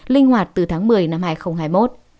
linh hoạt từ tháng một mươi năm hai nghìn hai mươi một